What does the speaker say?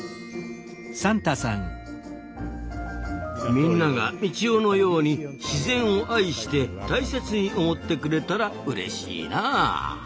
みんながミチオのように自然を愛して大切に思ってくれたらうれしいなあ。